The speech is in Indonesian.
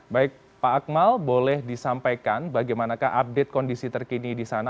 baik pak akmal boleh disampaikan bagaimanakah update kondisi terkini di sana